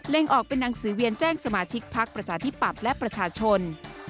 ออกเป็นหนังสือเวียนแจ้งสมาชิกพักประชาธิปัตย์และประชาชน